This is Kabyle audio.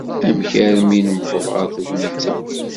Amek armi newweḍ ɣer tegnit-a?